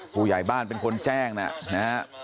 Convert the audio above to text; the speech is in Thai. ผู้ใหญ่บ้านเป็นคนแจ้งนะฮะ